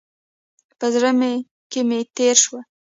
په زړه کې مې تېر شول.